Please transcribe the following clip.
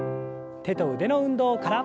手と腕の運動から。